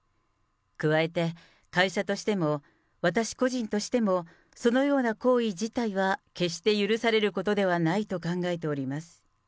加えて、会社としても私個人としても、そのような行為自体は決して許されることではないと考えております。